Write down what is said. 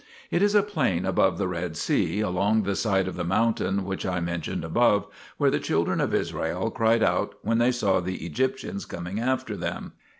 4 It is a plain above the Red Sea, along the side of the mountain which I mentioned above, where the children of Israel cried out when they saw the Egyptians coming after them.